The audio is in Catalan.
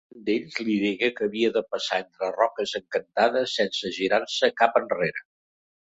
Un d'ells li digué que havia de passar entre roques encantades sense girar-se cap enrere.